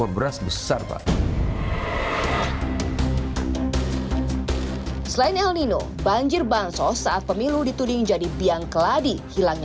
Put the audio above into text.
heran heran asas pemilu dituning pelipping yang kecac attention